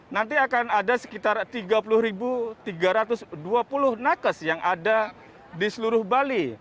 nanti akan ada sekitar tiga puluh tiga ratus dua puluh nakes yang ada di seluruh bali